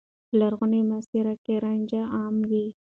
په لرغوني مصر کې رانجه عام و.